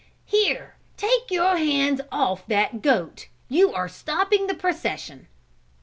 "Here, take your hands off that goat, you are stopping the procession!"